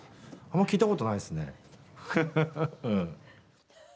あんま聞いたことないですね。